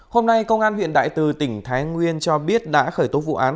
hôm nay công an huyện đại từ tỉnh thái nguyên cho biết đã khởi tố vụ án